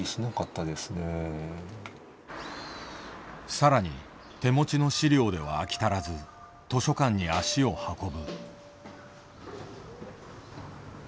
さらに手持ちの資料では飽き足らず図書館に足を運ぶ。